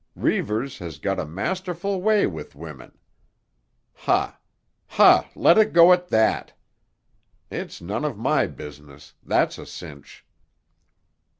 Reivers has got a masterful way with women! Ha, ha! Let it go at that. It's none of my business, that's a cinch."